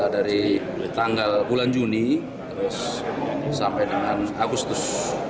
dari tanggal bulan juni sampai dengan agustus